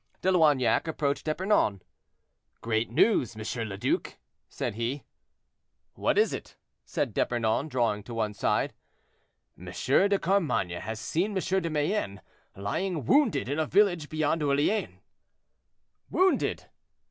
De Loignac approached D'Epernon. "Great news, M. le Duc," said he. "What is it?" said D'Epernon, drawing to one side. "M. de Carmainges has seen M. de Mayenne lying wounded in a village beyond Orleans." "Wounded!"